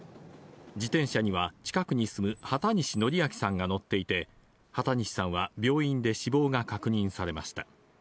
自転車には近くに住む畑西徳明さんが乗っていて、畑西さんは病院で死亡が確認されました。